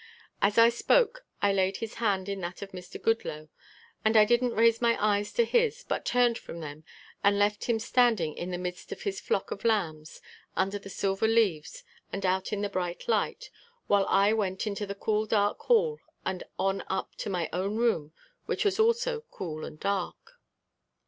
As I spoke I laid his hand in that of Mr. Goodloe and I didn't raise my eyes to his but turned from them and left him standing in the midst of his flock of lambs under the silver leaves and out in the bright light, while I went into the cool dark hall and on up to my own room which was also cool and dark.